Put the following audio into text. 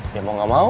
ya mau gak mau